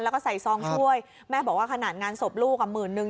แล้วก็ใส่ซองช่วยแม่บอกว่าขนาดงานศพลูกอ่ะหมื่นนึง